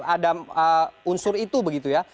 ada unsur itu begitu ya